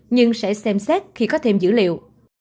nhưng sẽ xem xét khi có thêm dữ liệu